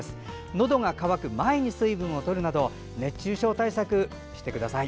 のどが渇く前に水分を取るなど熱中症対策してください。